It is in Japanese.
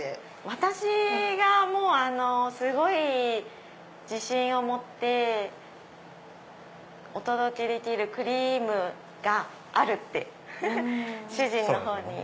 私がすごい自信を持ってお届けできるクリームがあるって主人のほうに。